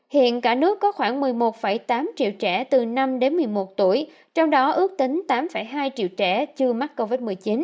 hiện cả nước có khoảng một mươi một tám triệu trẻ từ năm đến một mươi một tuổi trong đó ước tính tám hai triệu trẻ chưa mắc covid một mươi chín